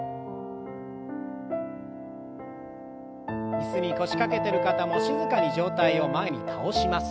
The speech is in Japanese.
椅子に腰掛けてる方も静かに上体を前に倒します。